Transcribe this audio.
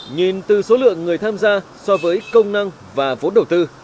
nhìn từ số lượng người tham gia so với công năng và vốn đầu tư